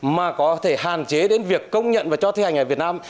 mà có thể hàn chế đến việc công nhận và cho thi hành ở việt nam